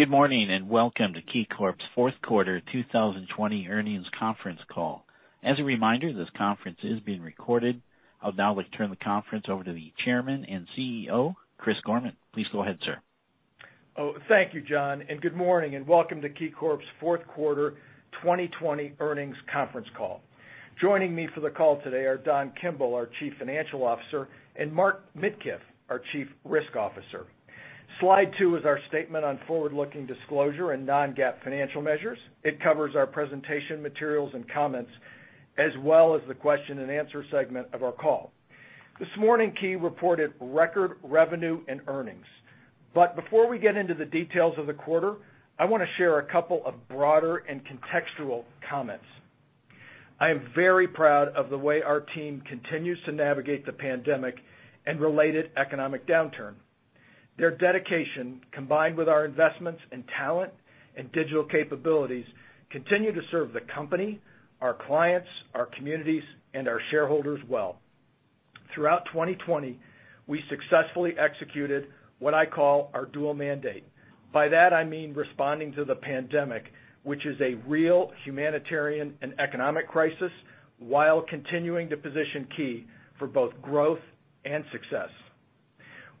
Good morning and welcome to KeyCorp's Fourth Quarter 2020 Earnings Conference Call. As a reminder, this conference is being recorded. I would now like to turn the conference over to the Chairman and CEO Chris Gorman. Please go ahead, sir. Thank you John and good morning and welcome to KeyCorp's Fourth Quarter 2020 Earnings Conference Call. Joining me for the call today are Don Kimble, our Chief Financial Officer, and Mark Midkiff, our Chief Risk Officer. slide two is our statement on forward-looking disclosure and non-GAAP financial measures. It covers our presentation materials and comments as well as the question and answer segment of our call. This morning, Key reported record revenue and earnings. But before we get into the details of the quarter, I want to share a couple of broader and contextual comments. I am very proud of the way our team continues to navigate the pandemic and related economic downturn. Their dedication, combined with our investments in talent and digital capabilities continue to serve the company, our clients, our communities and our shareholders well. Throughout 2020 we successfully executed what I call our dual mandate. By that I mean responding to the pandemic, which is a real humanitarian and economic crisis, while continuing to position Key for both growth and success.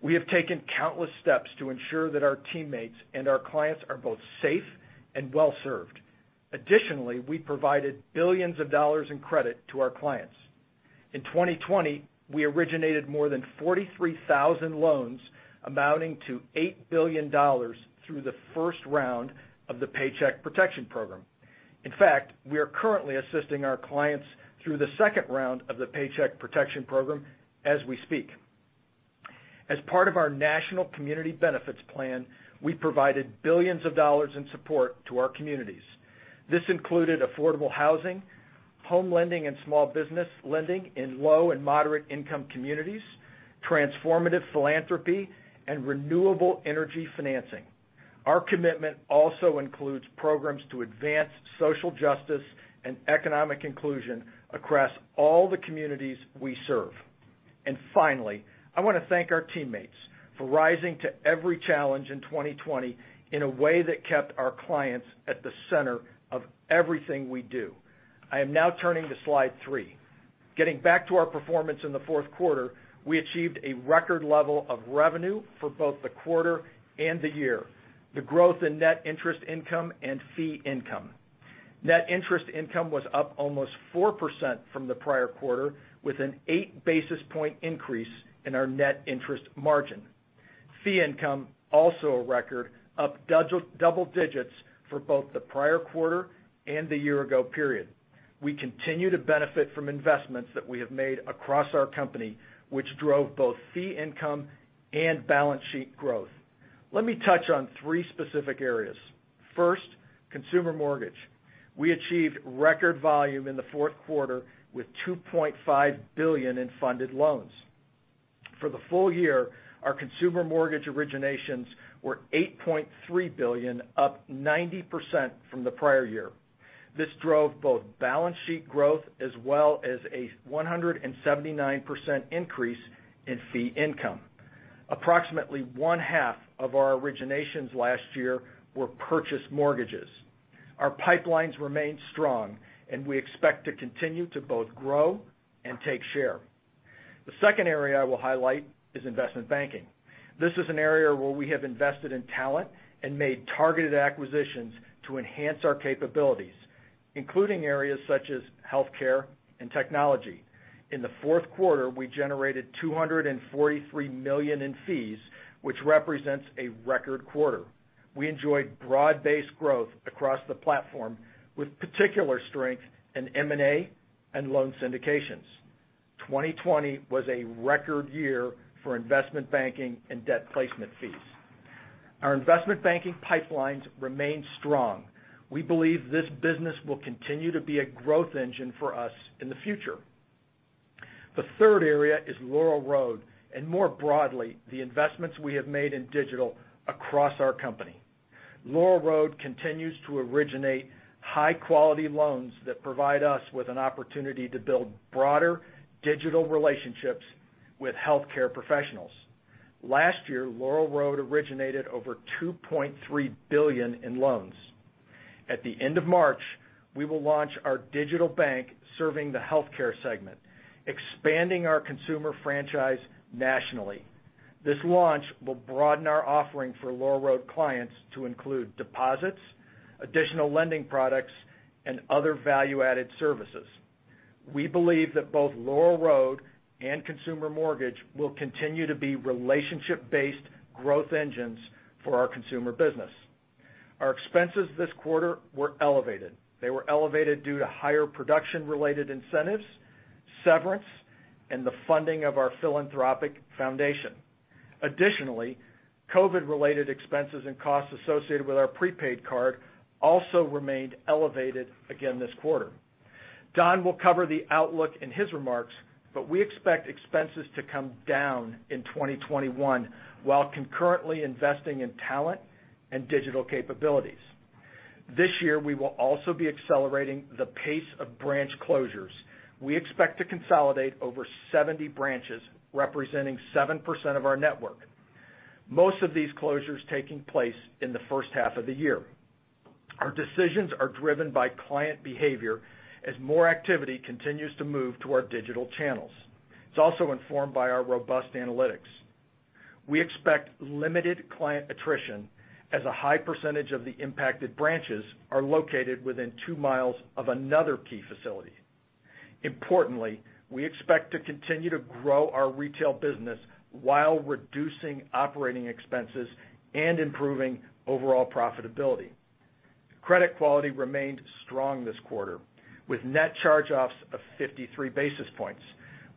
We have taken countless steps to ensure that our teammates and our clients are both safe and well served. Additionally, we provided billions of dollars in credit to our clients in 2020. We originated more than 43,000 loans amounting to $8 billion through the first round of the Paycheck Protection Program. In fact, we are currently assisting our clients through the second round of the Paycheck Protection Program as we speak. As part of our National Community Benefits Plan, we provided billions of dollars in support to our communities. This included affordable housing, home lending and small business lending in low and moderate income communities, transformative philanthropy and renewable energy financing. Our commitment also includes programs to advance social justice and economic inclusion across all the communities we serve. And finally, I want to thank our teammates for rising to every challenge in 2020 in a way that kept our clients at the center of everything we do. I am now turning to slide three. Getting back to our performance in the fourth quarter, we achieved a record level of revenue for both the quarter and the year. The growth in net interest income and fee income. Net interest income was up almost 4% from the prior quarter with an 8 basis point increase in our net interest margin. Fee income also a record up double digits for both the prior quarter and the year ago period. We continue to benefit from investments that we have made across our company which drove both fee income and balance sheet growth. Let me touch on three specific areas. First, consumer mortgage, we achieved record volume in the fourth quarter with $2.5 billion in funded loans. For the full year, our consumer mortgage originations were $8.3 billion, up 90% from the prior year. This drove both balance sheet growth as well as a 179% increase in fee income. Approximately one half of our originations last year were purchased mortgages. Our pipelines remain strong and we expect to continue to both grow and take share. The second area I will highlight is investment banking. This is an area where we have invested in talent and made targeted acquisitions to enhance our capabilities, including areas such as health care and technology. In the fourth quarter we generated $243 million in fees, which represents a record quarter. We enjoyed broad-based growth across the platform with particular strength in M&A and loan syndications. 2020 was a record year for investment banking and debt placement fees. Our investment banking pipelines remain strong. We believe this business will continue to be a growth engine for us in the future. The third area is Laurel Road and more broadly the investments we have made in digital across our company. Laurel Road continues to originate high quality loans that provide us with an opportunity to build broader digital relationships with health care professionals. Last year Laurel Road originated over $2.3 billion in loans. At the end of March, we will launch our digital bank serving the health care segment, expanding our consumer franchise nationally. This launch will broaden our offering for Laurel Road clients to include deposits, additional lending products and other value added services. We believe that both Laurel Road and consumer mortgage will continue to be relationship based growth engines for our consumer business. Our expenses this quarter were elevated. They were elevated due to higher production related incentives, severance and the funding of our philanthropic foundation. Additionally, COVID related expenses and costs associated with our prepaid card also remained elevated again this quarter. Don will cover the outlook in his remarks, but we expect expenses to come down in 2021 while concurrently investing in talent and digital capabilities. This year we will also be accelerating the pace of branch closures. We expect to consolidate over 70 branches representing 7% of our network, most of these closures taking place in the first half of the year. Our decisions are driven by client behavior as more activity continues to move to our digital channels. It's also informed by our robust analytics. We expect limited client attrition as a high percentage of the impacted branches are located within two miles of another Key facility. Importantly, we expect to continue to grow our retail business while reducing operating expenses and improving overall profitability. Credit quality remained strong this quarter with net charge-offs of 53 basis points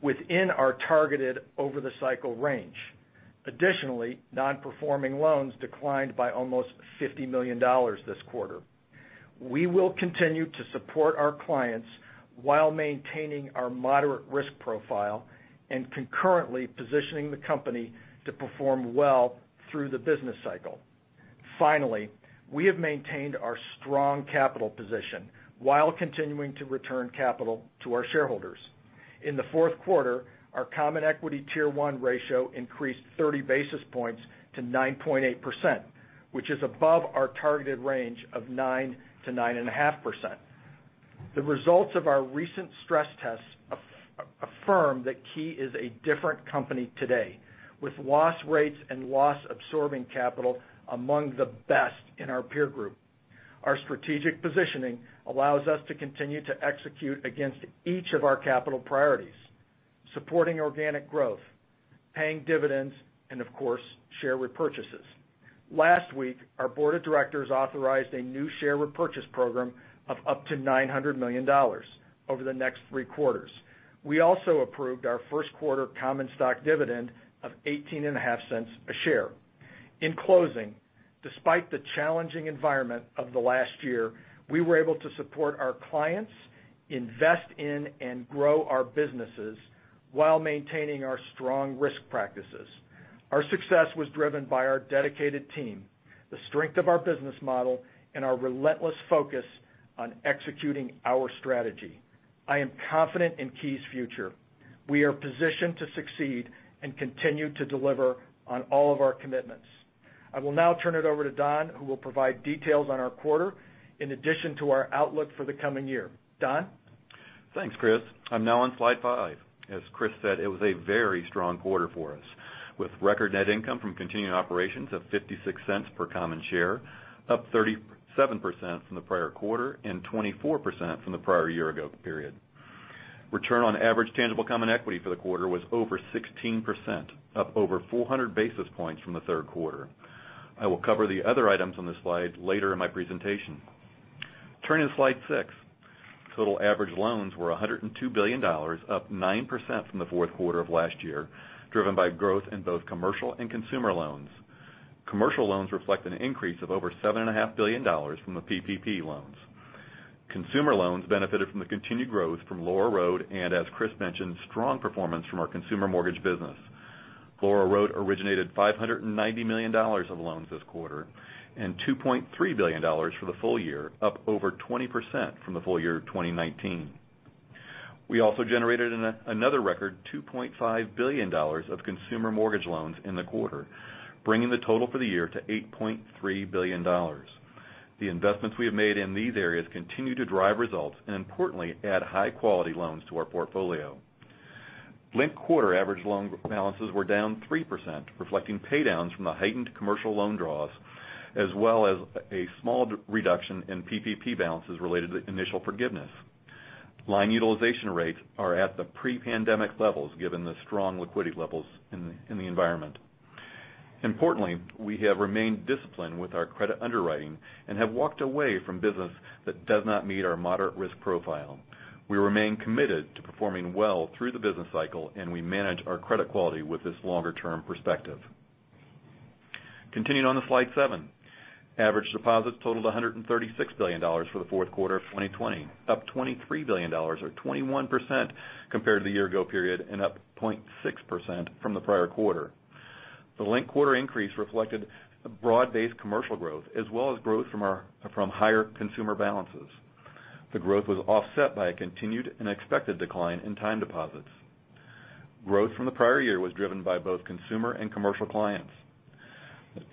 within our targeted over the cycle range. Additionally, non-performing loans declined by almost $50 million this quarter. We will continue to support our clients while maintaining our moderate risk profile and concurrently positioning the company to perform well through the business cycle. Finally, we have maintained our strong capital position while continuing to return capital to our shareholders. In the fourth quarter, our Common Equity Tier 1 ratio increased 30 basis points to 9.8%, which is above our targeted range of 9%-9.5%. The results of our recent stress tests affirm that Key is a different company today with loss rates and loss absorbing capital among the best in our peer group. Our strategic positioning allows us to continue to execute against each of our capital priorities, supporting organic growth, paying dividends and of course, share repurchases. Last week, our Board of Directors authorized a new share repurchase program of up to $900 million over the next three quarters. We also approved our first quarter common stock dividend of $0.185 a share. In closing, despite the challenging environment of the last year, we were able to support our clients, invest in and grow our businesses while maintaining our strong risk practices. Our success was driven by our dedicated team, the strength of our business model and our relentless focus on executing our strategy. I am confident in Key's future. We are positioned to succeed and continue to deliver on all of our commitments. I will now turn it over to Don who will provide details on our quarter in addition to our outlook for the coming year. Don. Thanks Chris. I'm now on slide five. As Chris said, it was a very strong quarter for us with record net income from continuing operations of $0.56 per common share, up 37% from the prior quarter and 24% from the prior year ago period. Return on average tangible common equity for the quarter was over 16%, up over 400 basis points from the third quarter. I will cover the other items on this slide later in my presentation. Turning to slide six, total average loans were $102 billion, up 9% from the fourth quarter of last year, driven by growth in both commercial and consumer loans. Commercial loans reflect an increase of over $7.5 billion from the PPP loans. Consumer loans benefited from the continued growth from Laurel Road and as Chris mentioned, strong performance from our consumer mortgage business. Laurel Road originated $590 million of loans this quarter and $2.3 billion for the full year, up over 20% from the full year 2019. We also generated another record $2.5 billion of consumer mortgage loans in the quarter, bringing the total for the year to $8 billion. The investments we have made in these areas continue to drive results and importantly add high-quality loans to our portfolio. Linked-quarter average loan balances were down 3% reflecting paydowns from the heightened commercial loan draws as well as a small reduction in PPP balances related to initial forgiveness. Line utilization rates are at the pre-pandemic levels given the strong liquidity levels in the environment. Importantly, we have remained disciplined with our credit underwriting and have walked away from business that does not meet our moderate risk profile. We remain committed to performing well through the business cycle and we manage our credit quality with this longer-term perspective. Continuing on to slide seven, average deposits totaled $136 billion for the fourth quarter of 2020, up $23 billion or 21% compared to the year ago period and up 0.6% from the prior quarter. The linked-quarter increase reflected broad-based commercial growth as well as growth from higher consumer balances. The growth was offset by a continued and expected decline in time deposits. Growth from the prior year was driven by both consumer and commercial clients.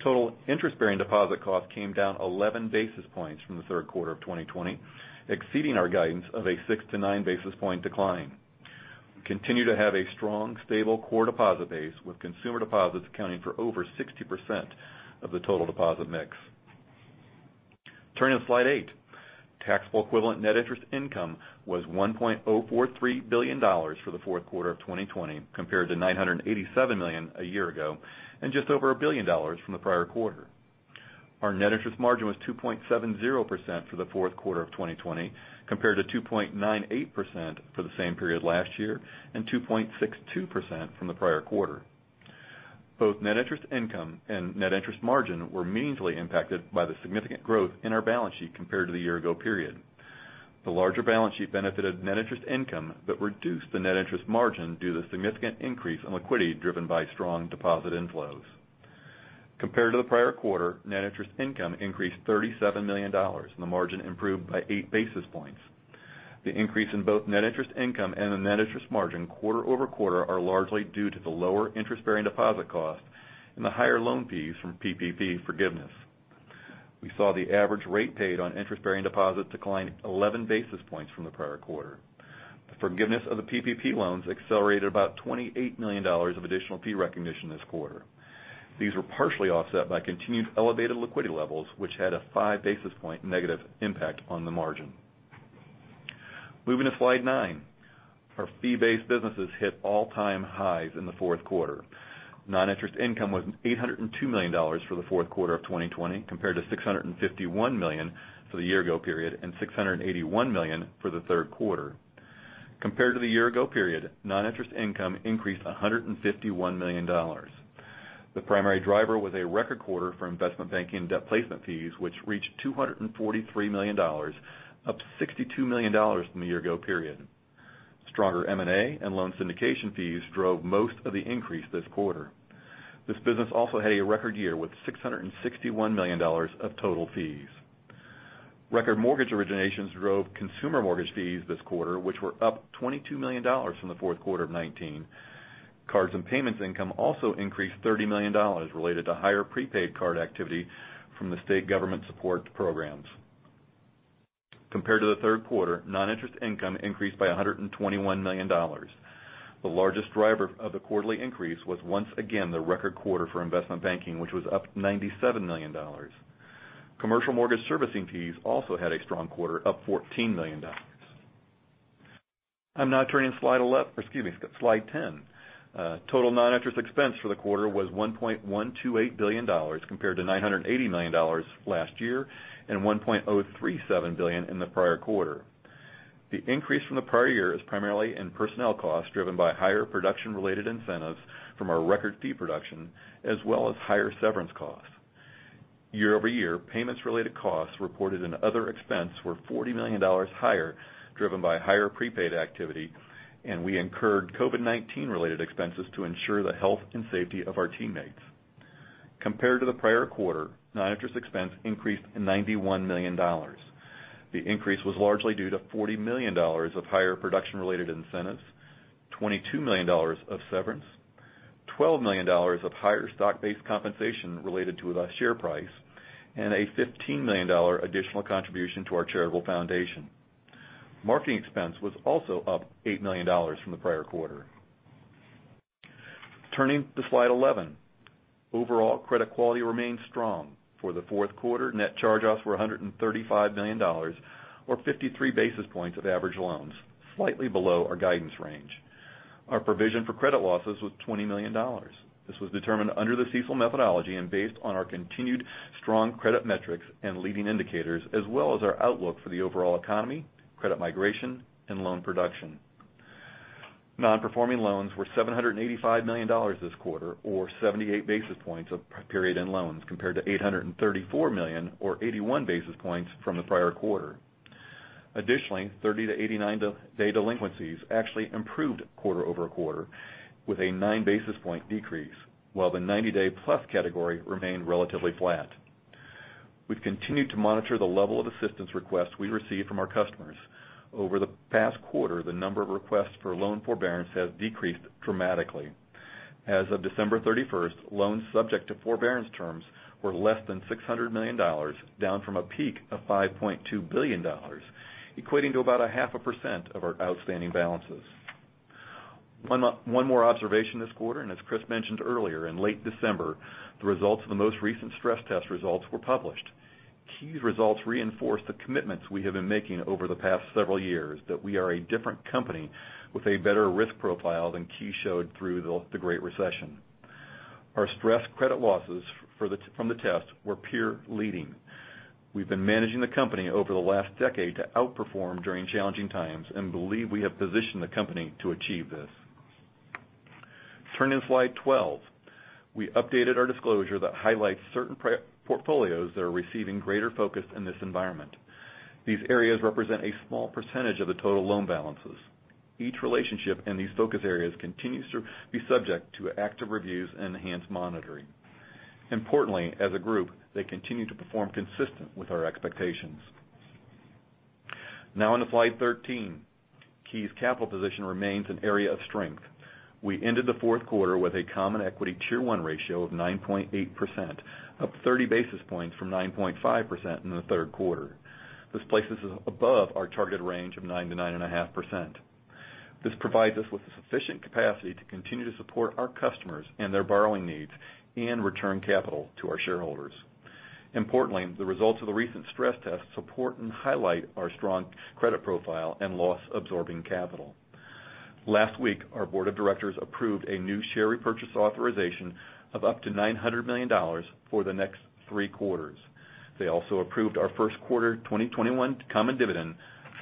Total interest-bearing deposit cost came down 11 basis points from the third quarter of 2020, exceeding our guidance of a 6-9 basis points decline. We continue to have a strong stable core deposit base with consumer deposits accounting for over 60% of the total deposit mix. Turning to slide eight, taxable equivalent net interest income was $1.043 billion for the fourth quarter of 2020 compared to $987 million a year ago and just over a billion dollars from the prior quarter. Our net interest margin was 2.70% for the fourth quarter of 2020 compared to 2.98% for the same period last year and 2.62% from the prior quarter. Both net interest income and net interest margin were meaningfully impacted by the significant growth in our balance sheet compared to the year ago period. The larger balance sheet benefited net interest income but reduced the net interest margin due to significant increase in liquidity driven by strong deposit inflows compared to the prior quarter. Net interest income increased $37 million and the margin improved by 8 basis points. The increase in both net interest income and the net interest margin quarter over quarter are largely due to the lower interest bearing deposit cost and the higher loan fees from PPP forgiveness. We saw the average rate paid on interest bearing deposit decline 11 basis points from the prior quarter. The forgiveness of the PPP loans accelerated about $28 million of additional fee recognition this quarter. These were partially offset by continued elevated liquidity levels which had a 5 basis point negative impact on the margin. Moving to slide nine, our fee-based businesses hit all-time highs in the fourth quarter. Non-interest income was $802 million for the fourth quarter of 2020 compared to $651 million for the year-ago period and $681 million for the third quarter. Compared to the year-ago period, non-interest income increased $151 million. The primary driver was a record quarter for investment banking debt placement fees, which reached $243 million, up $62 million from the year-ago period. Stronger M&A and loan syndication fees drove most of the increase this quarter. This business also had a record year with $661 million of total fees. Record mortgage originations drove consumer mortgage fees this quarter, which were up $22 million from 4Q 2019. Cards and payments income also increased $30 million, related to higher prepaid card activity from the state government support programs compared to the third quarter. Non-interest income increased by $121 million. The largest driver of the quarterly increase was once again the record quarter for investment banking which was up $97 million. Commercial mortgage servicing fees also had a strong quarter up $14 million. I'm now turning to slide 10. Total non-interest expense for the quarter was $1.128 billion compared to $980 million and $1.037 billion in the prior quarter. The increase from the prior year is primarily in personnel costs driven by higher production-related incentives from our record fee production as well as higher severance costs year-over-year payments. Related costs reported in other expense were $40 million higher driven by higher prepaid activity and we incurred COVID-19 related expenses to ensure the health and safety of our teammates. Compared to the prior quarter, non-interest expense increased $91 million. The increase was largely due to $40 million of higher production-related incentives, $22 million of severance, $12 million of higher stock-based compensation related to the share price and a $15 million additional contribution to our charitable foundation. Marketing expense was also up $8 million from the prior quarter. Turning to slide 11, overall credit quality remains strong for the fourth quarter. Net charge-offs were $135 million or 53 basis points of average loans, slightly below our guidance range. Our provision for credit losses was $20 million. This was determined under the CECL methodology and based on our continued strong credit metrics and leading indicators as well as our outlook for the overall economy, credit migration and loan production. Non-performing loans were $785 million this quarter or 78 basis points of period-end loans compared to $834 million or 81 basis points from the prior quarter. Additionally, 30 to 89-day delinquencies actually improved quarter over quarter with a 9 basis point decrease while the 90-day-plus category remained relatively flat. We've continued to monitor the level of assistance requests we receive from our customers. Over the past quarter, the number of requests for loan forbearance has decreased dramatically. As of December 31st, loans subject to forbearance terms were less than $600 million, down from a peak of $5.2 billion, equating to about 0.5% of our outstanding balances. One more observation this quarter and as Chris mentioned earlier, in late December the results of the most recent stress test results were published. Key's results reinforce the commitments we have been making over the past several years that we are a different company with a better risk profile than Key showed through the Great Recession. Our stressed credit losses from the test were peer leading. We've been managing the company over the last decade to outperform during challenging times and believe we have positioned the company to achieve this. Turning to slide 12, we updated our disclosure that highlights certain portfolios that are receiving greater focus in this environment. These areas represent a small percentage of the total loan balances. Each relationship in these focus areas continues to be subject to active reviews and enhanced monitoring. Importantly, as a group they continue to perform consistent with our expectations. Now on to slide 13, Key's capital position remains an area of strength. We ended the fourth quarter with a Common Equity Tier 1 ratio of 9.8%, up 30 basis points from 9.5% in the third quarter. This places us above our targeted range of 9%-9.5%. This provides us with sufficient capacity to continue to support our customers and their borrowing needs and return capital to our shareholders. Importantly, the results of the recent stress test support and highlight our strong credit profile and loss absorbing capital. Last week our Board of Directors approved a new share repurchase authorization of up to $900 million for the next three quarters. They also approved our first quarter 2021 common dividend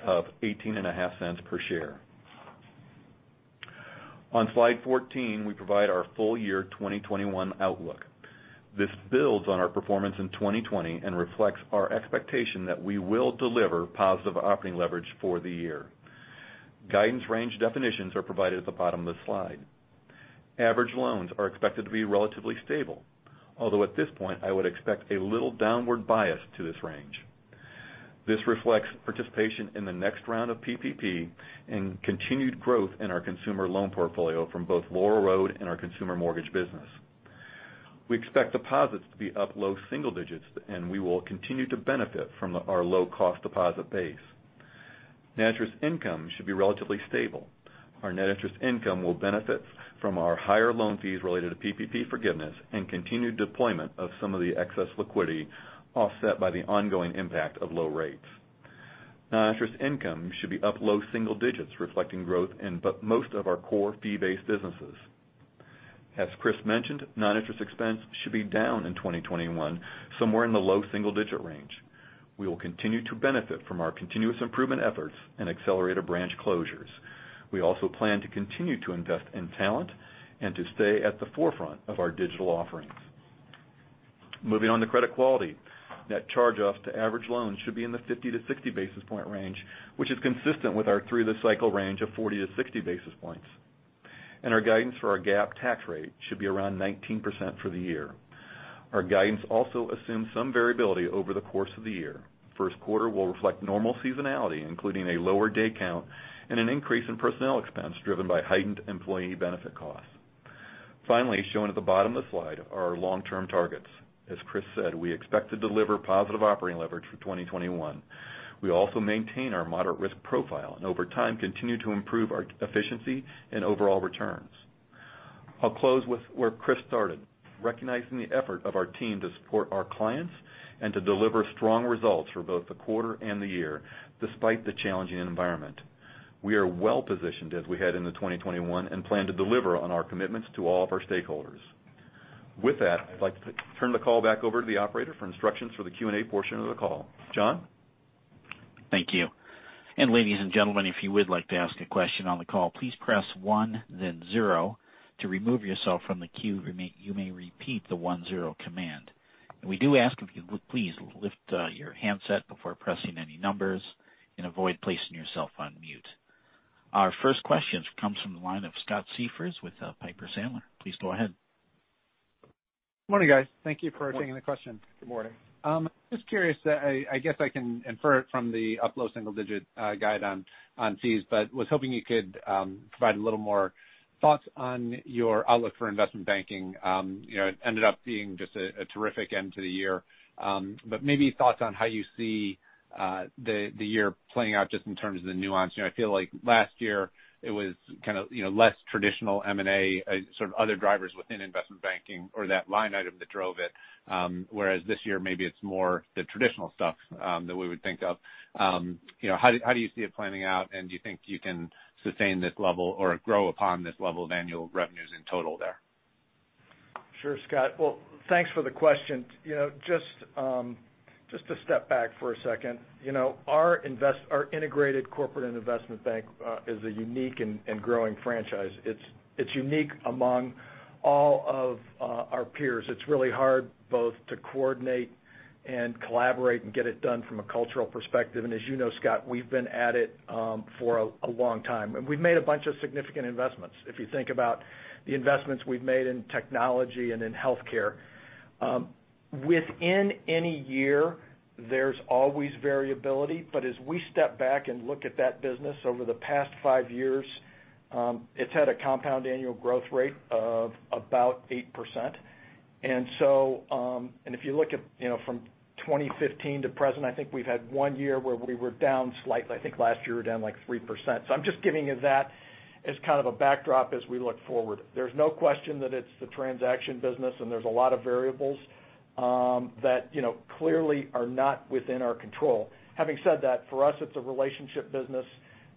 of $0.185 per share. On slide 14, we provide our full year 2021 outlook. This builds on our performance in 2020 and reflects our expectation that we will deliver positive operating leverage for the year. Guidance range definitions are provided at the bottom of the slide. Average loans are expected to be relatively stable, although at this point I would expect a little downward bias to this range. This reflects participation in the next round of PPP and continued growth in our consumer loan portfolio from both Laurel Road and our consumer mortgage business. We expect deposits to be up low single digits and we will continue to benefit from our low cost deposit base. Net interest income should be relatively stable. Our net interest income will benefit from our higher loan fees related to PPP forgiveness and continued deployment of some of the excess liquidity offset by the ongoing impact of low rates. Non-interest income should be up low single digits reflecting growth in most of our core fee-based businesses. As Chris mentioned, non-interest expense should be down in 2021 somewhere in the low single digit range. We will continue to benefit from our continuous improvement efforts and accelerator branch closures. We also plan to continue to invest in talent and to stay at the forefront of our digital offerings. Moving on to credit quality, net charge-off to average loans should be in the 50-60 basis point range, which is consistent with our through-the-cycle range of 40-60 basis points, and our guidance for our GAAP tax rate should be around 19% for the year. Our guidance also assumes some variability over the course of the year. First quarter will reflect normal seasonality including a lower day count and an increase in personnel expense driven by heightened employee benefit costs. Finally shown at the bottom of the slide are our long-term targets. As Chris said, we expect to deliver positive operating leverage for 2021. We also maintain our moderate risk profile and over time continue to improve our efficiency and overall returns. I'll close with where Chris started, recognizing the effort of our team to support our clients and to deliver strong results for both the quarter and the year. Despite the challenging environment, we are well positioned as we head into 2021 and plan to deliver on our commitments to all of our stakeholders. With that, I'd like to turn the call back over to the operator for instructions for the Q&A portion of the call. John. Thank you. And ladies and gentlemen, if you would like to ask a question on the call, please press one then zero to remove yourself from the queue. You may repeat the one zero command and we do ask if you would please lift your handset before pressing any numbers and avoid placing yourself on mute. Our first question comes from the line of Scott Siefers with Piper Sandler. Please go ahead. Morning guys. Thank you for taking the question. Good morning. Just curious. I guess I can infer it from our low single-digit guide on fees, but was hoping you could provide a little more thoughts on your outlook for investment banking? It ended up being just a terrific end to the year, but maybe thoughts on how you see the year playing out just in terms of the nuance? I feel like last year it was. Less traditional M&A, other drivers within investment banks, banking or that line item that drove it. Whereas this year maybe it's more the traditional stuff that we would think of. How do you see it planning out and do you think you can sustain this level or grow upon this level of annual revenues in total there? Sure, Scott. Well, thanks for the question. Just a step back for a second. Our integrated corporate investment bank is a unique and growing franchise. It's unique among all of our peers. It's really hard both to coordinate and collaborate and get it done from a cultural perspective. And as you know, Scott, we've been at it for a long time and we've made a bunch of significant investments. If you think about the investments we've made in technology and in healthcare, within any year there's always variability. But as we step back and look at that business over the past five years, it's had a compound annual growth rate of about 8%. And so if you look at, you know, from 2015 to present, I think we've had one year where we were down slightly. I think last year we were down like 3%. So I'm just giving you that as kind of a backdrop as we look forward. There's no question that it's the transaction business and there's a lot of variables that clearly are not within our control. Having said that, for us, it's a relationship business.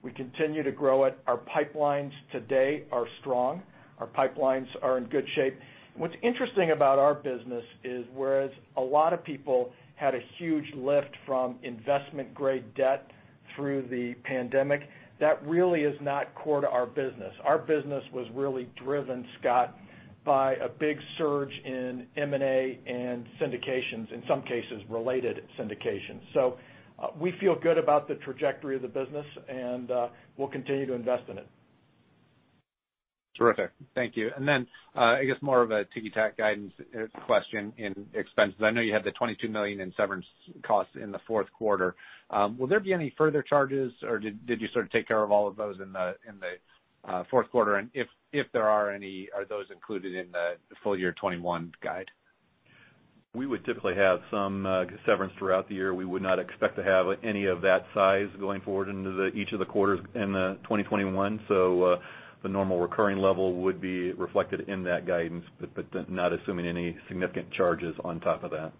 We continue to grow it. Our pipelines today are strong. Our pipelines are in good shape. What's interesting about our business is whereas a lot of people had a huge lift from investment grade debt through the pandemic, that really is not core to our business. Our business was really driven, Scott, by a big surge in M&A and syndications, in some cases related syndications. So we feel good about the trajectory of the business and we'll continue to invest in it. Terrific. Thank you. And then I guess more of a ticky tack guidance question in expenses. I know you had the $22 million in severance costs in the fourth quarter. Will there be any further charges or did you sort of take care of all of those in the fourth quarter? And if there are any, are those included in the full year 2021 guide? We would typically have some severance throughout the year. We would not expect to have any of that size going forward into each of the quarters in 2021. So the normal recurring level would be reflected in that guidance, but not assuming any significant charges on top of that.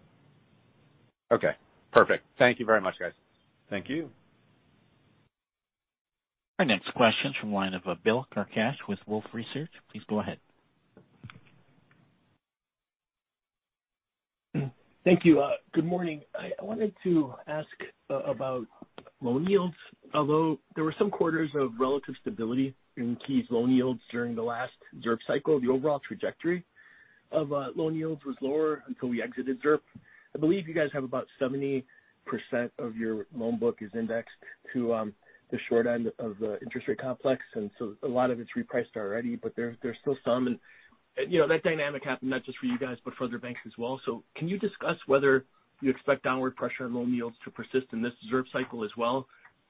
Okay, perfect. Thank you very much, guys. Thank you. Our next question is from the line of Bill Carcache with Wolfe Research. Please go ahead. Thank you. Good morning. I wanted to ask about loan yields. Although there were some quarters of relative stability in Key's loan yields during the last ZIRP cycle, the overall trajectory of loan yields was lower until we exited ZIRP. I believe you guys have about 70% of your loan book is indexed to the short end of the interest rate complex. And so a lot of it's repriced already, but there's still some. And that dynamic happened not just for you guys but for other banks as well. So can you discuss whether you expect downward pressure loan yields to persist in this repricing cycle as well,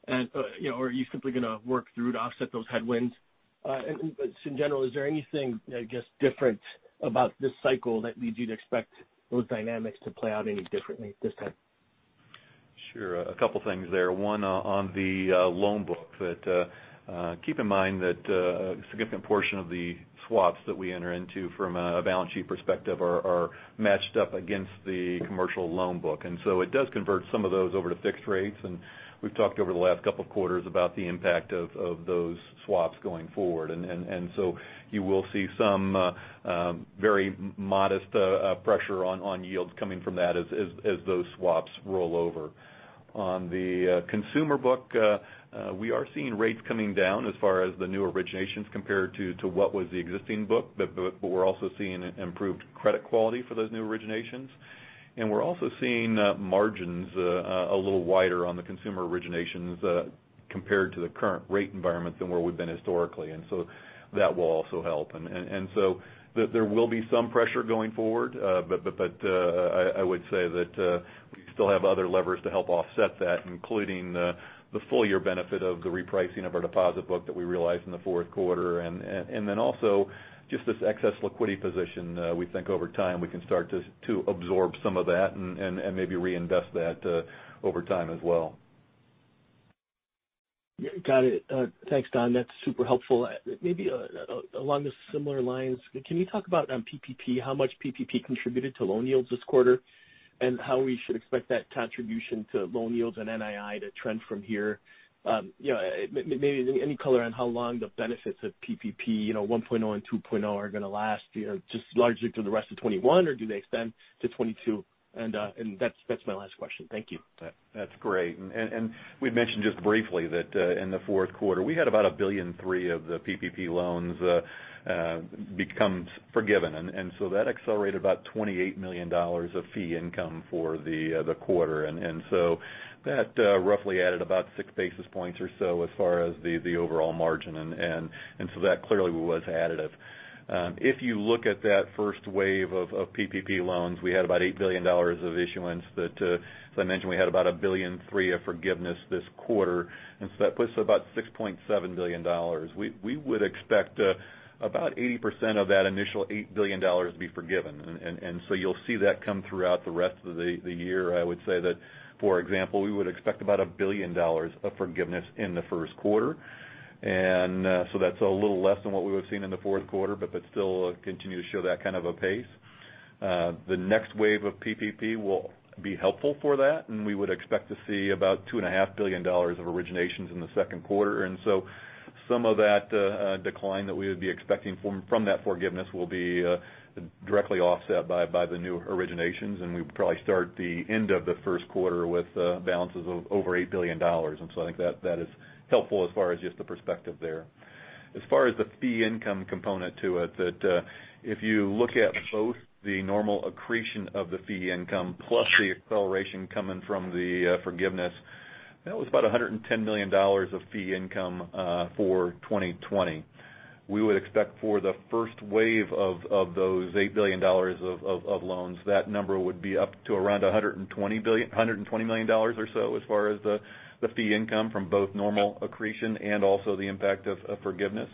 or are you simply going to work through to offset those headwinds in general? Is there anything, I guess, different about this cycle that leads you to expect those dynamics to play out any differently this time? Sure. A couple things there. One on the loan book to keep in mind that a significant portion of the swaps that we enter into from a balance sheet perspective are matched up against the commercial loan book, and so it does convert some of those over to fixed rates, and we've talked over the last couple of quarters about the impact of those swaps going forward, and so you will see some very modest pressure on yields coming from that as those swaps roll over on the consumer book. We are seeing rates coming down as far as the new originations compared to what was the existing book, but we're also seeing improved credit quality for those new originations, and we're also seeing margins a little wider on the consumer originations compared to the current rate environment than where we've been historically, and so that will also help. And so there will be some pressure going forward. But I would say that we still have other levers to help offset that, including the full year benefit of the repricing of our deposit book that we realized in the fourth quarter. And then also just this excess liquidity position. We think over time we can start to absorb some of that and maybe reinvest that over time as well. Got it. Thanks Don, that's super helpful. Maybe along the similar lines, can you talk about PPP, how much PPP contributed to loan yields this quarter and how we should expect that contribution to loan yields and NII to trend from here? Maybe any color on how long the benefits of PPP 1.0 and 2.0 are going to last? Just largely through the rest of 2021 or do they extend to 2022? And that's my last question. Thank you. That's great. And we mentioned just briefly that in the fourth quarter we had about $1.3 billion of the PPP loans. Becomes forgiven, and so that accelerated about $28 million of fee income for the quarter, and so that roughly added about six basis points or so as far as the overall margin, and so that clearly was additive. If you look at that first wave of PPP loans, we had about $8 billion of issuance that, as I mentioned, we had about $1.3 billion of forgiveness this quarter, and so that puts about $6.7 billion. We would expect about 80% of that initial $8 billion to be forgiven, and so you'll see that come throughout the rest of the year. I would say that, for example, we would expect about $1 billion of forgiveness in the first quarter, and so that's a little less than what we would have seen in the fourth quarter, but still continue to show that kind of a pace. The next wave of PPP will be helpful for that. And we would expect to see about $2.5 billion of originations in the second quarter. And so some of that decline that we would be expecting from that forgiveness will be directly offset by the new originations. And we probably start at the end of the first quarter with balances of over $8 billion. And so I think that is helpful as far as just the perspective there as far as the fee income component to it, that if you look at both the normal accretion of the fee income plus the acceleration coming from the forgiveness, that was about $110 million of fee income for 2020. We would expect for the first wave of those $8 billion of loans, that number would be up to around $120 million or so. As far as the fee income from both normal accretion and also the impact of forgiveness,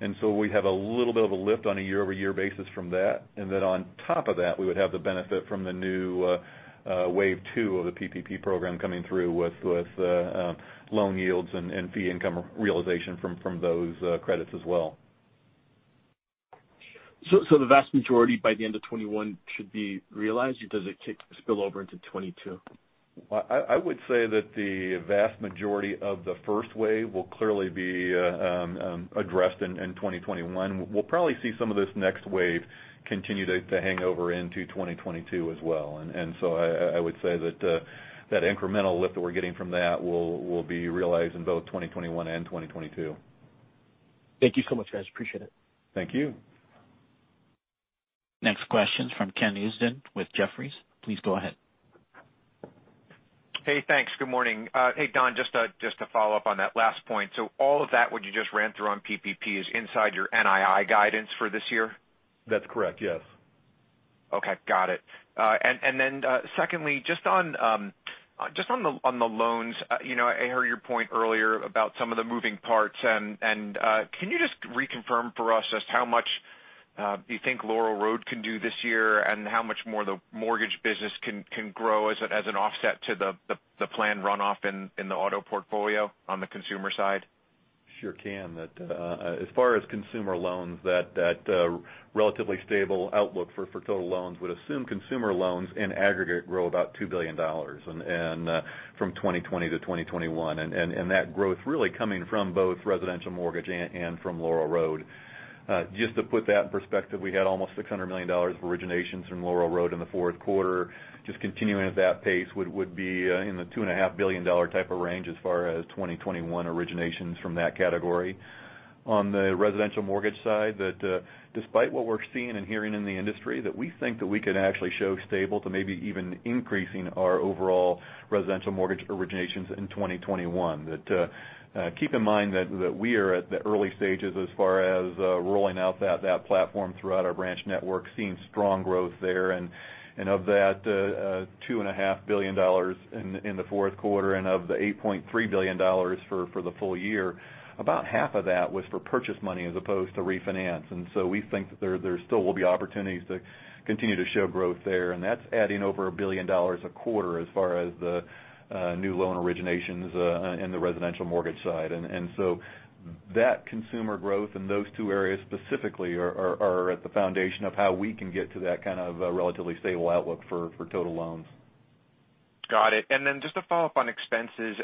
and so we have a little bit of a lift on a year-over-year basis from that, and then on top of that we would have the benefit from the new wave two of the PPP program coming through with loan yields and fee income realization from those credits as well. So the vast majority by the end of 2021 should be realized or does it spill over into 2022? I would say that the vast majority of the first wave will clearly be addressed in 2021. We'll probably see some of this next wave continue to hang over into 2022 as well. And so I would say that that incremental lift that we're getting from that will be realized in both 2021 and 2022. Thank you so much, guys. Appreciate it. Thank you. Next question is from Ken Usdin with Jefferies. Please go ahead. Hey, thanks. Good morning. Hey, Don, just to follow up on that last point, so all of that, what you just ran through on PPP is inside your NII guidance for this year? That's correct, yes. Okay, got it. And then secondly, just on, just on the loans, I heard your point earlier about some of the moving parts. And can you just reconfirm for us just how much you think Laurel Road can do this year and how much more the mortgage business can grow as an offset to the planned runoff in the auto portfolio on the consumer side? Sure can. As far as consumer loans, that relatively stable outlook for total loans would assume consumer loans in aggregate grow about $2 billion from 2020 to 2021, and that growth really coming from both residential mortgage and from Laurel Road. Just to put that in perspective, we had almost $600 million of originations from Laurel Road in the fourth quarter. Just continuing at that pace would be in the $2.5 billion type of range as far as 2021 originations from that category. On the residential mortgage side, that despite what we're seeing and hearing in the industry, that we think that we can actually show stable to maybe even increasing our overall residential mortgage originations in 2021. Keep in mind that we are at the early stages as far as rolling out that platform throughout our branch network, seeing strong growth there. And of that $2.5 billion in the fourth quarter and of the $8.3 billion for the full year, about half of that was for purchase money as opposed to refinance. And so we think there still will be opportunities to continue to show growth there. And that's adding over a billion dollars a quarter as far as the new loan originations in the residential mortgage side. And so that consumer growth and those two areas specifically are at the foundation of how we can get to that kind of relatively stable outlook for total loans. Got it. And then just to follow up on expenses,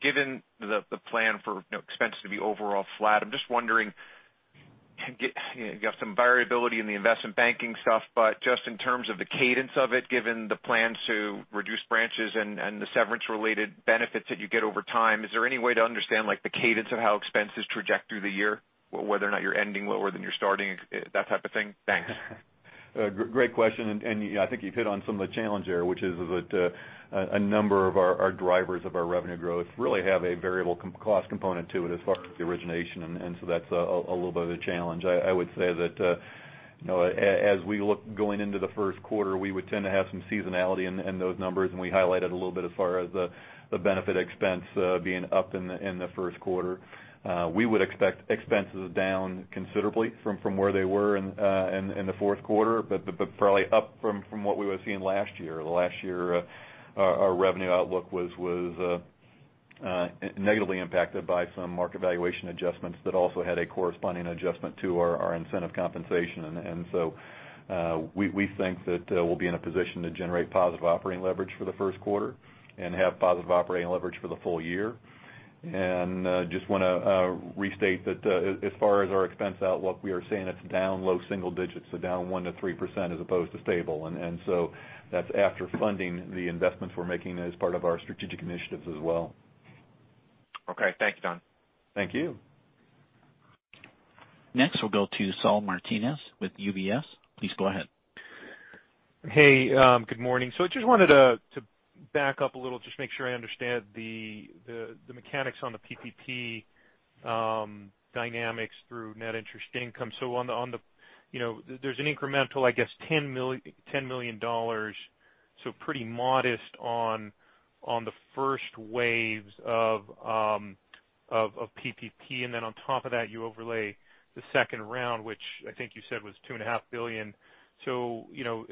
given the plan for expenses to be overall flat, I'm just wondering. You have some variability in the investment banking stuff, but just in terms of the cadence of it, given the plan to reduce branches and the severance-related benefits that you get over time, is there any way to understand the cadence of how expenses trajectory the year, whether or not you're ending lower than you're starting, that type of thing? Great question, and I think you've hit on some of the challenge there, which is that a number of our drivers of our revenue growth really have a variable cost component to it as far as the origination, and so that's a little bit of a challenge. I would say that as we look going into the first quarter, we would tend to have some seasonality in those numbers, and we highlighted a little bit. As far as the benefit expense being up in the first quarter, we would expect expenses down considerably from where they were in the fourth quarter, but probably up from what we were seeing last year. Last year, our revenue outlook was. Negatively impacted by some market valuation adjustments that also had a corresponding adjustment to our incentive compensation. And so we think that we'll be in a position to generate positive operating leverage for the first quarter and have positive operating leverage for the full year. And just want to restate that. As far as our expense outlook, we are saying it's down low single digits, so down 1%-3% as opposed to stable. And so that's after funding the investments we're making as part of our strategic initiatives as well. Okay, thank you, Don. Thank you. Next we'll go to Saul Martinez with UBS. Please go ahead. Hey, good morning. So I just wanted to back up a little, just make sure I understand the mechanics on the PPP. Dynamics through net interest income. So on the, you know, there's an incremental, I guess, $10 million, so pretty modest on the first waves of. PPP. And then on top of that, you overlay the second round, which I think you said was $2.5 billion. So, you know,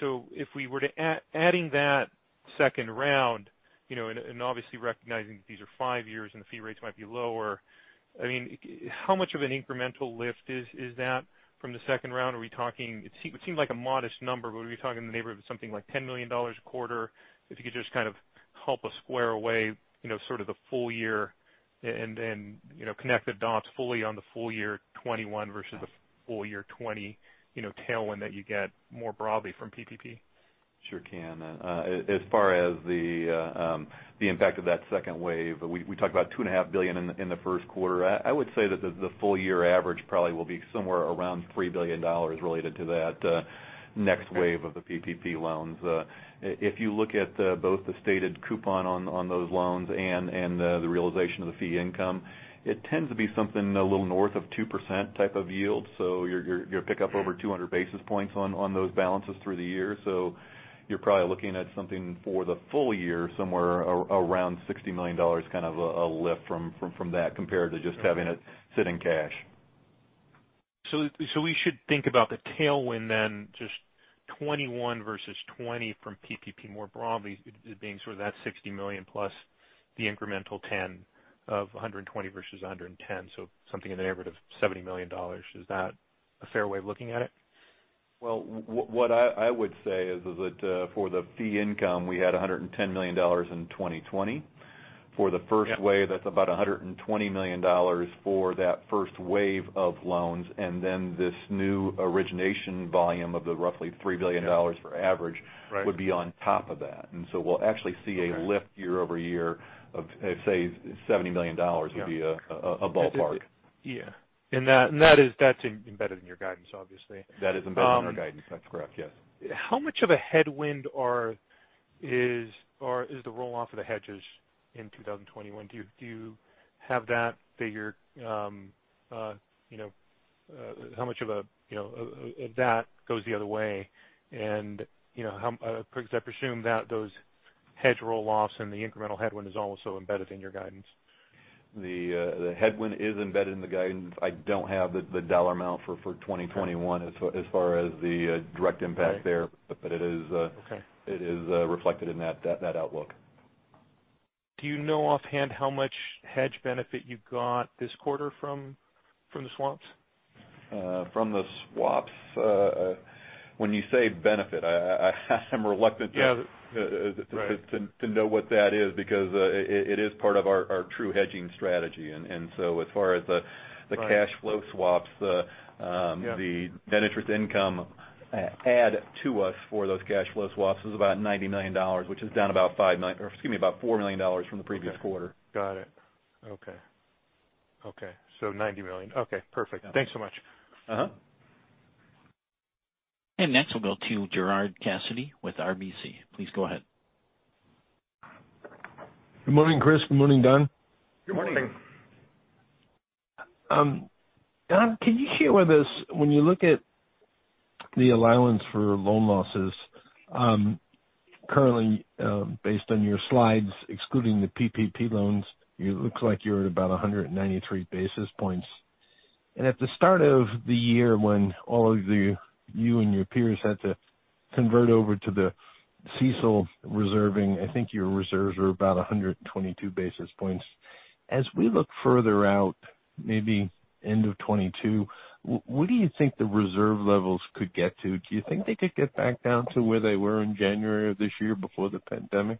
so if we were to adding that second round, you know, and obviously recognizing that these are five years and the fee rates might be lower, I mean, how much of an incremental lift is that from the second round? Are we talking? It seemed like a modest number, but are we talking in the neighborhood of something like $10 million a quarter? If you could just kind of help us square away, you know, sort of the full year and connect the dots fully on the full year 2021 versus the full year 2020 tailwind that you get more broadly from PPP. Sure can. As far as the impact of that second wave, we talked about $2.5 billion in the first quarter. I would say that the full year average probably will be somewhere around $3 billion related to that next wave of the PPP loans. If you look at both the stated coupon on those loans and the realization of the fee income, it tends to be something a little north of 2% type of yield, so you pick up over 200 basis points on those balances through the year. So you're probably looking at something for the full year somewhere around $60 million. Kind of a lift from that compared to just having it sit in cash. So we should think about the tailwind then, just 2021 versus 2020 from PPP more broadly, being sort of that $60 million plus the incremental $10 of $120 versus $110. So something in the neighborhood of $70 million. Is that a fair way of looking at it? Well, what I would say is that for the fee income, we had $110 million in 2020 for the first wave. That's about $120 million for that first wave of loans is. And then this new origination volume of the roughly $3 billion for average would be on top of that. And so we'll actually see a lift year over year of, say, $70 million would be a ballpark. Yeah. And that's embedded in your guidance, obviously. That is embedded in our guidance. That's correct, yes. How much of a headwind? Is the roll off of the hedges in 2021? Do you have that figure? You know, how much of a, you know, that goes the other way, and you know, I presume that those hedge roll-offs and the incremental headwind is also embedded in your guidance. The headwind is embedded in the guidance. I don't have the dollar amount for 2021 as far as the direct impact there, but it is reflected in that outlook. Do you know offhand how much hedge benefit you got this quarter? From the swaps? From the swaps. When you say benefit, I'm reluctant. To know what that is because it is part of our true hedging strategy. And so as far as the cash flow swaps, the net interest income add to us for those cash flow swaps, about $90 million, which is down about $5 million, or, excuse me, about $4 million from the previous quarter. Got it. Okay. Okay, so $90 million. Okay, perfect. Thanks so much. And next we'll go to Gerard Cassidy with RBC. Please go ahead. Good morning, Chris. Good morning, Don. Good morning. Don, can you share with us when you look at the allowance for loan losses? Currently based on your slides, excluding the PPP loans, it looks like you're at about 193 basis points. And at the start of the year, when all of you and your peers had to convert over to the CECL reserving, I think your reserves are about 122 basis points. As we look further out, maybe end of 2022, what do you think the reserve levels could get to? Do you think they could get back down to where they were in January of this year before the pandemic?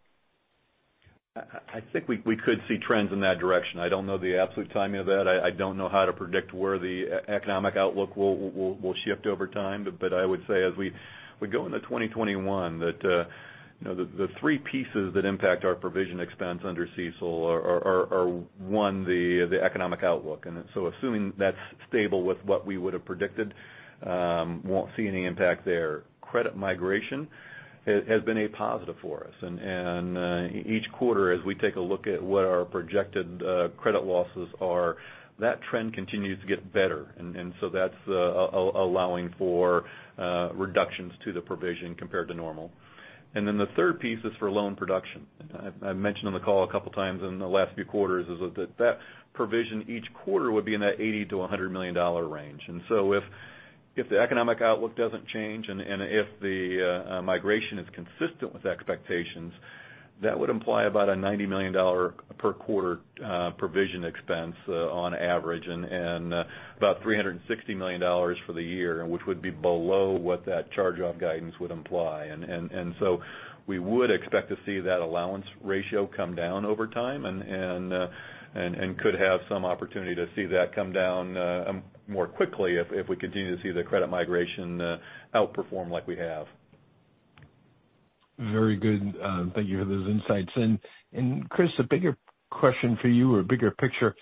I think we could see trends in that direction. I don't know the absolute timing of that. I don't know how to predict where the economic outlook will shift over time. But I would say as we go into 2021, that the three pieces that impact our provision expense under CECL are one, the economic outlook. And so assuming that's stable with what we would have predicted, won't see any impact there. Credit migration has been a positive for us and each quarter, as we take a look at what our projected credit losses are, that trend continues to get better. And so that's allowing for reductions to the provision compared to normal. And then the third piece is for loan production I mentioned on the call a couple times in the last few quarters, is that provision each quarter would be in that $80 million-$100 million range. And so if the economic outlook doesn't change and if the migration is consistent with expectations, that would imply about a $90 million per quarter provision expense on average and about $360 million for the year, which would be below what that charge-off guidance would imply. And so we would expect to see that allowance ratio come down over time and could have some opportunity to see that come down more quickly if we continue to see the credit migration outperform like we have. Very good, thank you for those insights. And Chris, a bigger question for you or a bigger picture,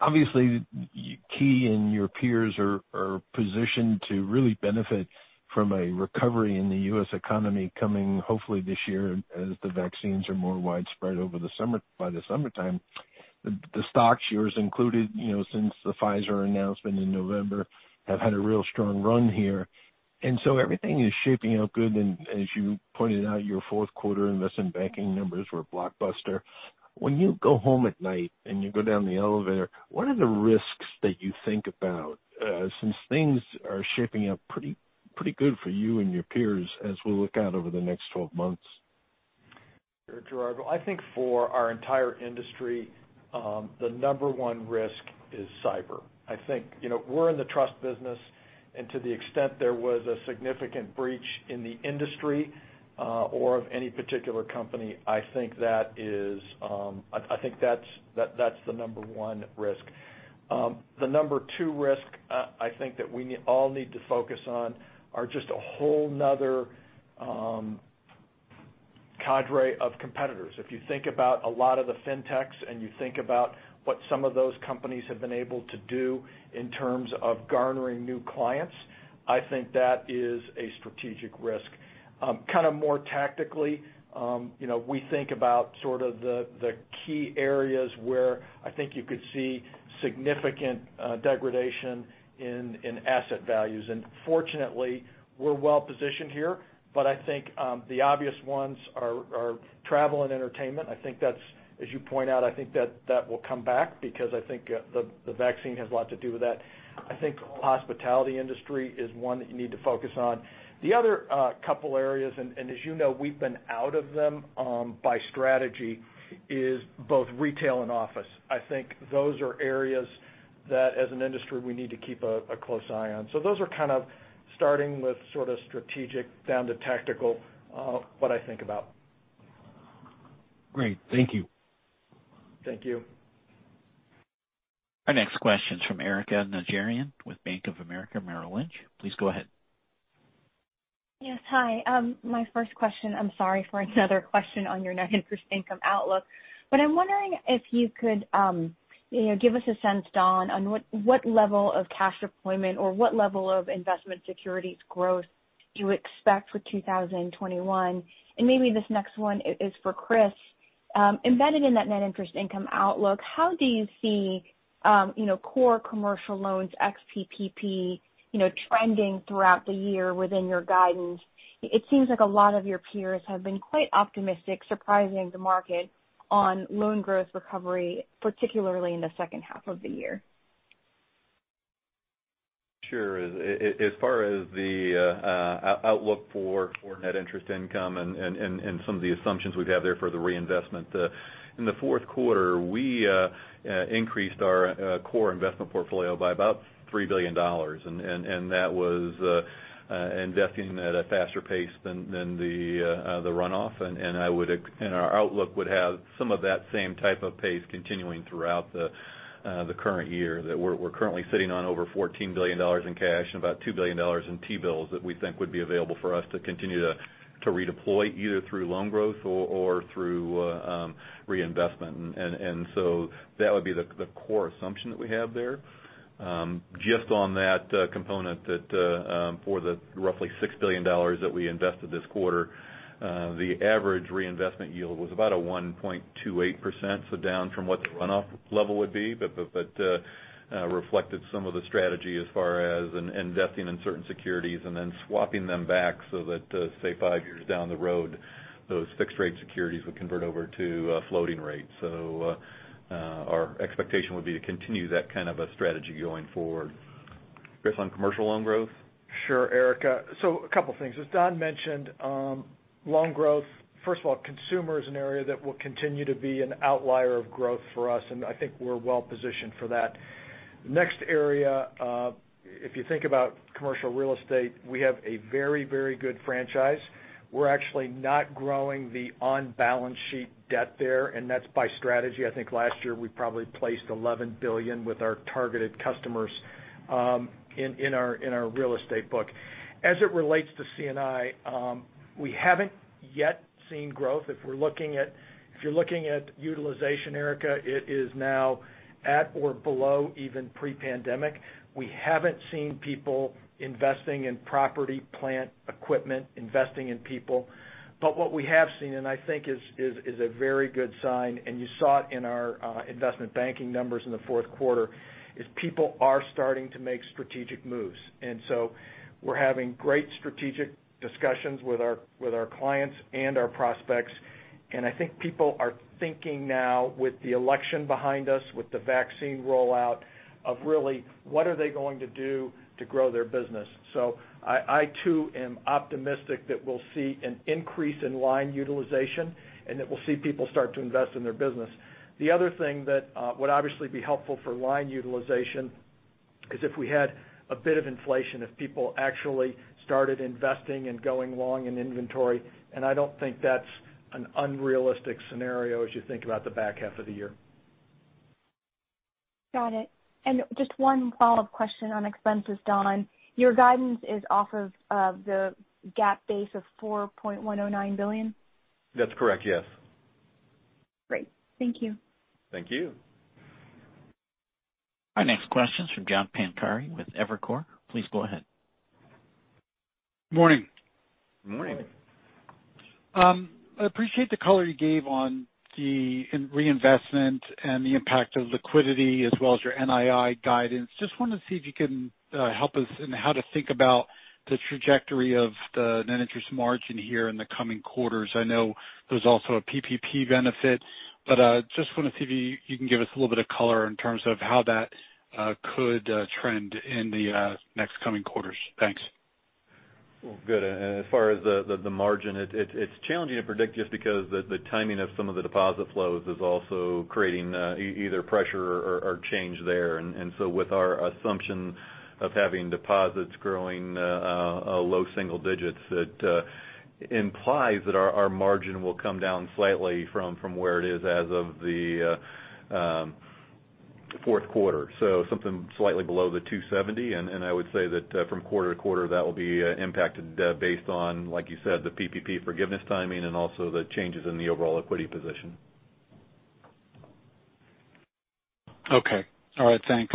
obviously Key and your peers are positioned to really benefit from a recovery in the U.S. economy coming hopefully this year as the vaccines are more widespread over the summer, by the summertime, the stocks, yours included, you know, since the Pfizer announcement in November, have had a real strong run here. And so everything is shaping out good. And as you pointed out, your fourth quarter investment banking numbers were blockbuster. When you go home at night and you go down the elevator, what are the risks that you think about since things are shaping up pretty, pretty good for you and your peers as we look out over the next 12 months? Gerard well, I think for our entire industry, the number one risk is cyber. I think, you know, we're in the trust business and to the extent there was a significant breach in the industry or of any particular company, I think that is, I think that's, that's the number one risk. The number two risk I think that we all need to focus on are just a whole nother. Cadre of competitors. If you think about a lot of the fintechs and you think about what some of those companies have been able to do in terms of garnering new clients, I think that is a strategic risk. Kind of more tactically, we think about sort of the key areas where I think you could see significant degradation in asset values, and fortunately, we're well positioned here, but I think the obvious ones are travel and entertainment. I think that's, as you point out, I think that will come back because I think the vaccine has a lot to do with that. I think hospitality industry is one that you need to focus on. The other couple areas, and as you know, we've been out of them by strategy, is both retail and office. I think those are areas that as an industry we need to keep a close eye on. So those are kind of starting with sort of strategic, down to tactical, what I think about. Great. Thank you. Thank you. Our next question is from Erika Najarian with Bank of America Merrill Lynch. Please go ahead. Yes. Hi. My first question, I'm sorry, for another question on your net interest income outlook, but I'm wondering if you could give us a sense Don, on what level of cash deployment or what level of investment securities growth you expect for 2021, and maybe this next one is for Chris, embedded in that net interest income outlook, how do you see core commercial loans ex PPP trending throughout the year within your guidance? It seems like a lot of your peers have been quite optimistic, surprising the market on loan growth recovery, particularly in the second half of the year. Sure. As far as the outlook for net interest income and some of the assumptions we've had there for the reinvestment in the fourth quarter, we increased our core investment portfolio by about $3 billion, and that was investing at a faster pace than the runoff. Our outlook would have some of that same type of pace continuing throughout the current year that we're currently sitting on over $14 billion in cash and about $2 billion in T-bills that we think would be available for us to continue to redeploy either through loan growth or through reinvestment, and so that would be the core assumption that we have there just on that component, that for the roughly $6 billion that we invested this quarter, the average reinvestment yield was about a 1.28%. So down from what the runoff level would be, but reflected some of the strategy as far as investing in certain situations securities and then swapping them back so that, say, five years down the road, those fixed-rate securities would convert over to floating rates. So our expectation would be to continue that kind of a strategy going forward. Chris, on commercial loan growth. Sure, Erika. So a couple things as Don mentioned, loan growth, first of all, consumer is an area that will continue to be an outlier of growth for us. And I think we're well positioned for that next area. If you think about commercial real estate, we have a very, very good franchise. We're actually not growing the on balance sheet debt there and that's by strategy. I think last year we probably placed $11 billion with our targeted customers. In our real estate book. As it relates to C&I, we haven't yet seen growth. If we're looking at, if you're looking at utilization, Erika, it is now at or below even pre-pandemic. We haven't seen people investing in property, plant, equipment investing in people. But what we have seen, and I think is a very good sign, and you saw it in our investment banking numbers in the fourth quarter, is people are starting to make strategic moves. And so we're having great strategic discussions with our clients and our prospects. And I think people are thinking now, with the election behind us, with the vaccine rollout, of really what are they going to do to grow their business? So I too am optimistic that we'll see an increase in line utilization and that we'll see people start to invest in their business. The other thing that would obviously be helpful for line utilization, because if we had a bit of inflation, if people actually started investing and going long in inventory, and I don't think that's an unrealistic scenario as you think about the back half of the year. Got it. And just one follow up question on expenses. Don, your guidance is off of the GAAP base of $4.109 billion. That's correct, yes. Great. Thank you. Thank you. Our next question is from John Pancari with Evercore. Please go ahead. Morning. Morning. I appreciate the color you gave on the reinvestment and the impact of liquidity as well as your NII guidance. Just wanted to see if you can help us in how to think about the trajectory of the net interest margin here in the coming quarters. I know there's also a PPP benefit, but just want to see if you can give us a little bit of color in terms of how that could trend in the next coming quarters. Good. As far as the margin, it's challenging to predict just because the timing of some of the deposit flows is also creating either pressure or change there. And so with our assumption of having deposits growing low single digits. That implies that our margin will come down slightly from where it is as of the. Fourth quarter. So something slightly below the 270. And I would say that from quarter to quarter that will be impacted based on, like you said, the PPP forgiveness timing and also the changes in the overall equity position. Okay, all right, thanks.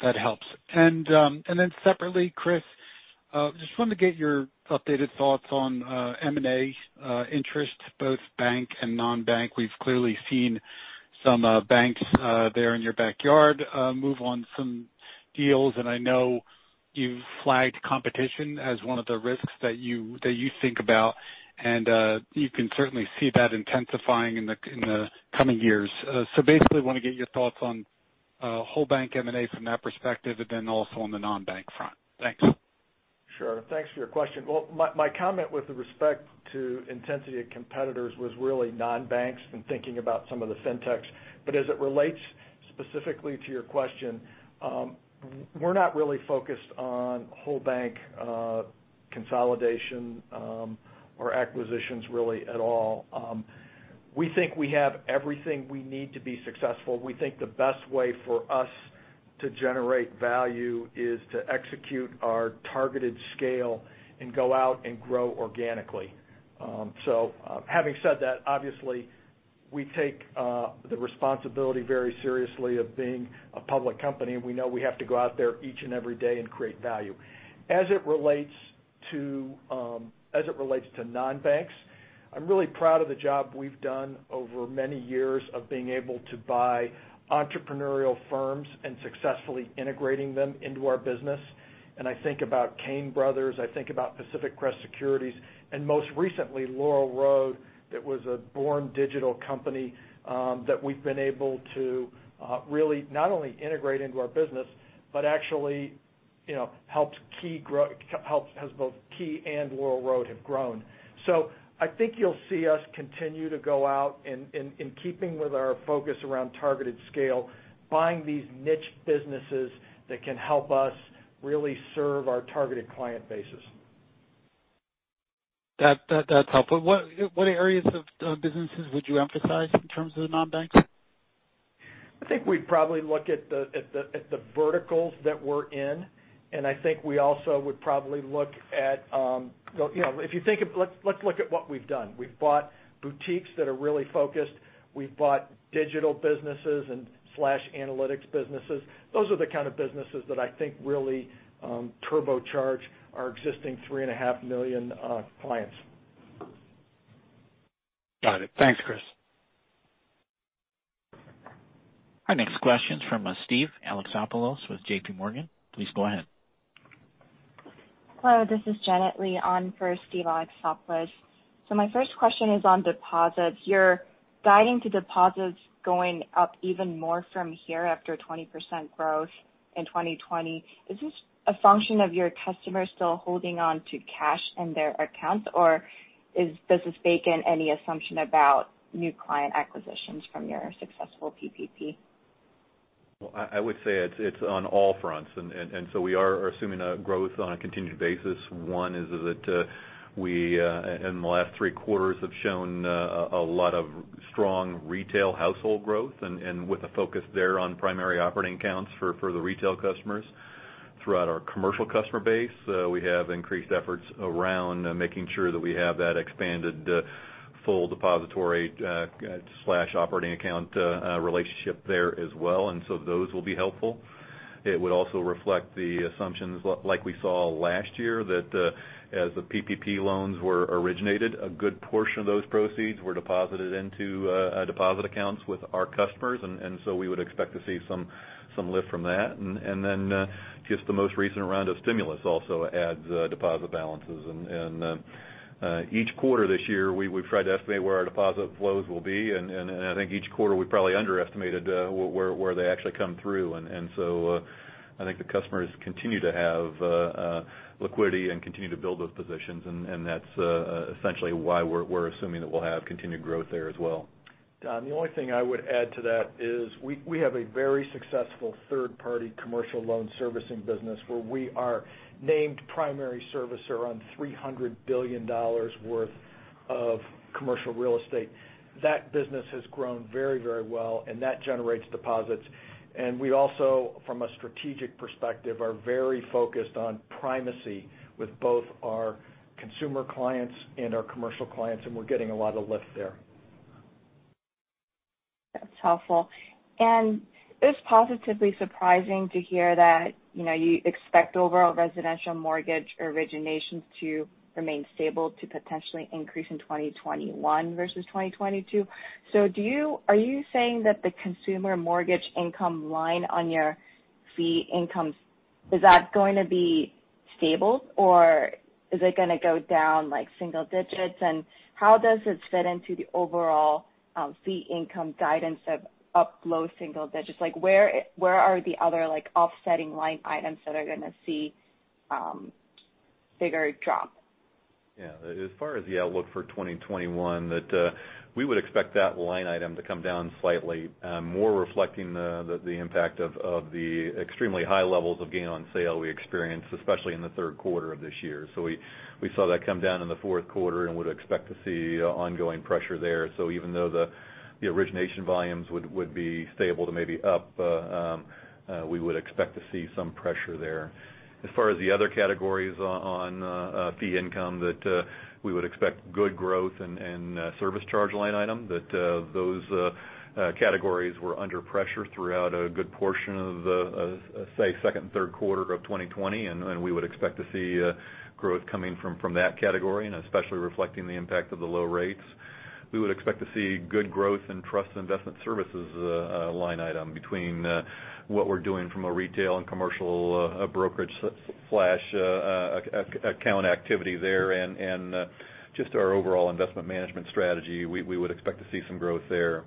That helps. And then separately, Chris, just wanted to get your updated thoughts on M&A interest, both bank and non-bank. We've clearly seen some banks there in your backyard move on some deals and I know you flagged competition as one of the risks that you think about and you can certainly see that intensifying in the coming years. So basically want to get your thoughts on whole bank M&A from that perspective and then also on the non-bank front. Thanks. Sure. Thanks for your question. Well, my comment with respect to intensity of competitors was really nonbanks and thinking about some of the fintechs. But as it relates specifically to your question, we're not really focused on whole bank consolidation or acquisitions really at all. We think we have everything we need to be successful. We think the best way for us to generate value is to execute our targeted scale and go out and grow organically. So having said that, obviously we take the responsibility very seriously of being a public company. We know we have to go out there each and every day and create value. As it relates to non-banks. I'm really proud of the job we've done over many years of being able to buy entrepreneurial firms and successfully integrating them into our business, and I think about Cain Brothers, I think about Pacific Crest Securities and most recently Laurel Road. That was a born digital company that we've been able to really not only integrate into our business, but actually helps Key has both Key and Laurel Road have grown, so I think you'll see us continue to go out in keeping with our focus around targeted scale buying these niche businesses that can help us really serve our targeted client bases. That's helpful. What areas of businesses would you emphasize? In terms of the non-banks? I think we'd probably look at the verticals that we're in and I think we also would probably look at. If you think, let's look at what we've done. We've bought boutiques that are really focused. We've bought digital businesses and analytics businesses. Those are the kind of businesses that I think really turbocharged our existing 3.5 million clients. Got it. Thanks, Chris. Our next question is from Steve Alexopoulos with J.P. Morgan. Please go ahead. Hello, this is Janet Lee on for Steve Alexopoulos so my first question is on deposits. You're guiding to deposits going up even more from here. After 20% growth in 2020, is this a function of your customers still holding on to cash in their accounts or is business banking? Any assumption about new client acquisitions from your successful PPP? Well, I would say it's on all fronts. And so we are assuming growth on a continued basis. One is that we in the last three quarters have shown a lot of strong retail household growth. And with a focus there on primary operating accounts for the retail customers throughout our commercial customer base, we have increased efforts around making sure that we have that expanded full depository operating account relationship there as well. And so those will be helpful. It would also reflect the assumptions like we saw last year, that as the PPP loans were originated, a good portion of those proceeds were deposited into deposit accounts with our customers. And so we would expect to see some lift from that. And then just the most recent round of stimulus also adds deposit balances. And each quarter this year we've tried to estimate where our deposit flows will be, and I think each quarter we probably underestimated where they actually come through. And so I think the customers continue to have liquidity and continue to build those positions. And that's essentially why we're assuming that we'll have continued growth there as well. Don, the only thing I would add to that is we have a very successful third-party commercial loan servicing business where we are named primary servicer on $300 billion worth of commercial real estate. That business has grown very, very well and that generates deposits, and we also, from a strategic perspective, are very focused on primacy with both our consumer clients and our commercial clients, and we're getting a lot of lift there. That's helpful. And it's positively surprising to hear that, you know, you expect overall residential mortgage originations to remain stable to potentially increase in 2021 versus 2022. So do you. Are you saying that the consumer mortgage income line on your fee income, is that going to be stable or is it going to go down like single digits? And how does it fit into the overall fee income guidance of up low single digits? Like where are the other like offsetting line items that are going to see. Bigger drop? Yeah, as far as the outlook for 2021, that we would expect that line item to come down slightly more, reflecting the impact of the extremely high levels of gain on sale we experience especially in the third quarter of this year. So we saw that come down in the fourth quarter and would expect to see ongoing pressure there. So even though the origination volumes would be stable to maybe up, we would expect to see some pressure there. As far as the other categories on fee income, that we would expect good growth in service charge line item, that those categories were under pressure throughout a good portion of, say, second and third quarter of 2020, and we would expect to see growth coming from that category. And especially reflecting the impact of the low rates, we would expect to see good growth in trust investment services line item. Between what we're doing from a retail and commercial brokerage cash account activity there and just our overall investment management strategy, we would expect to see some growth there.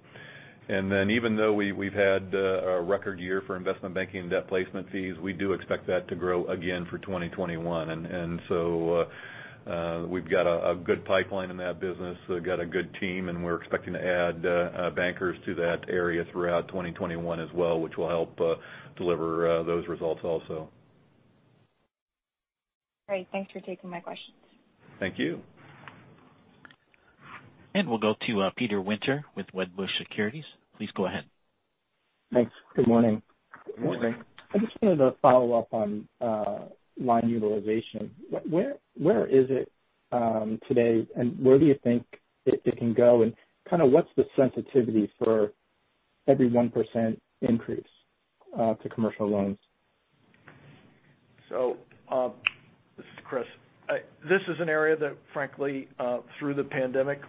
And then even though we've had a record year for investment banking and debt placement fees, we do expect that to grow again for 2021. And so we've got a good pipeline in that business, got a good team, and we're expecting to add bankers to that area throughout 2021 as well, which will help deliver those results also. Great.Thanks for taking my questions. Thank you. We'll go to Peter Winter with Wedbush Securities. Please go ahead. Thanks. Good morning. Good morning. I just wanted to follow up on line utilization. Where is it today and where do you think it can go? And kind of what's the sensitivity for every 1% increase to commercial loans? So this is, Chris, this is an area that frankly through the pandemic.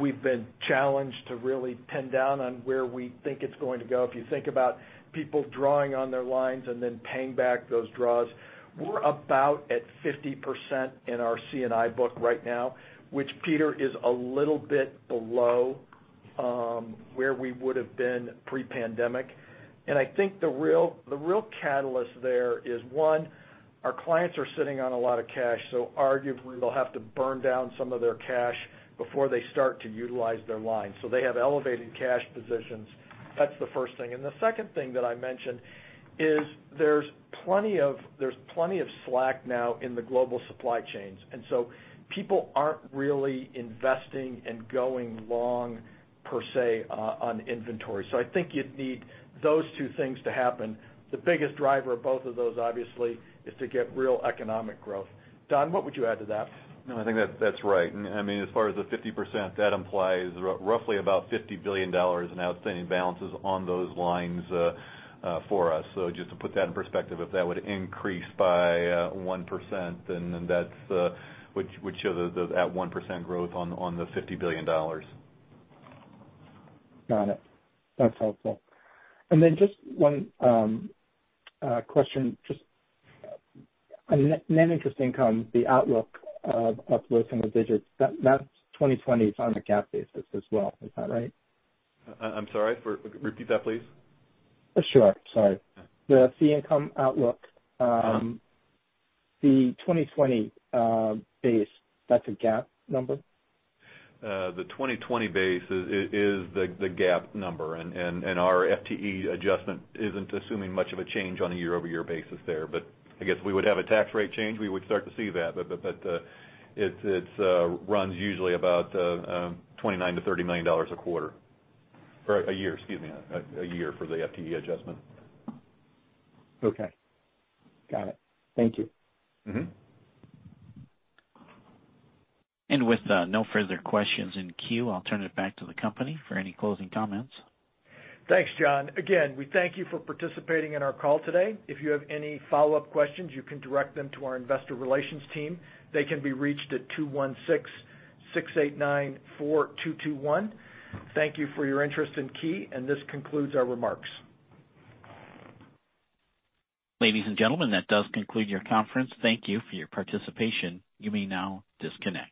We've been challenged to really pin down on where we think it's going to go. If you think about people drawing on their lines and then paying back those draws, we're about at 50% in our C&I book right now, which, Peter, is a little bit below. Where we would have been pre-pandemic, and I think the real catalyst there is one, our clients are sitting on a lot of cash. So arguably they'll have to burn down some of their cash before they start to utilize their line. So they have elevated cash positions. That's the first thing, and the second thing that I mentioned is there's plenty of slack now in the global supply chains, and so people aren't really investing and going long, per se, on inventory. So I think you'd need those two things to happen. The biggest driver of both of those, obviously, is to get real economic growth. Don, what would you add to that? I think that's right. I mean, as far as the 50%, that implies roughly about $50 billion in outstanding balances on those lines for us. So just to put that in perspective, if that would increase by 1% and that would show that 1% growth on the $50 billion. Got it. That's helpful, and then just one. Question. Just. Net interest income, the outlook of up low single digits, that 2020 is on a GAAP basis as well. Is that right? I'm sorry, repeat that please. Sure. Sorry. The fee income outlook. The 2020 base, that's a GAAP number? The 2020 base is the GAAP number. And our FTE adjustment isn't assuming much of a change on a year over year basis there. But I guess we would have a tax rate change. We would start to see that. But it runs usually about $29 million-$30 million dollars. A quarter or a year. Excuse me, a year for the FTE adjustment. Okay, got it. Thank you. With no further questions in queue, I'll turn it back to the company for any closing comments. Thanks, John. Again we thank you for participating in our call today. If you have any follow up questions, you can direct them to our investor relations team. They can be reached at 216-689-4221. Thank you for your interest in Key. And this concludes our remarks. Ladies and gentlemen, that does conclude your conference. Thank you for your participation. You may now disconnect.